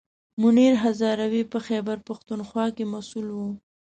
منیر هزاروي په خیبر پښتونخوا کې مسوول و.